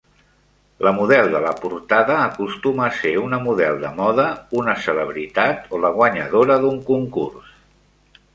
La model de la portada acostuma a ser una model de moda, una celebritat o la guanyadora d'un concurs.